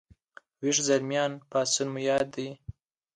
ويښ زلميان پاڅون مو یاد دی